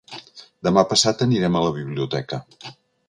Demà passat anirem a la biblioteca.